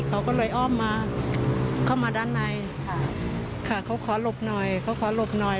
เขาก็เลยอ้อมมาเข้ามาด้านในค่ะค่ะเขาขอหลบหน่อยเขาขอหลบหน่อย